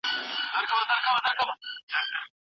دروني ارامي د ژوند لپاره مهمه ده.